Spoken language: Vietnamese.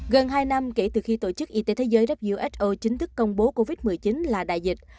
gần hai năm kể từ khi tổ chức y tế thế giới who chính thức công bố covid một mươi chín là đại dịch